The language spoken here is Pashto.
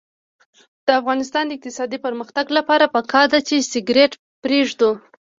د افغانستان د اقتصادي پرمختګ لپاره پکار ده چې سګرټ پریږدو.